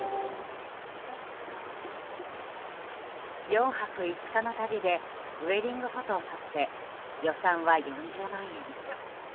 ４泊５日の旅でウェディングフォトを撮って予算は４０万円。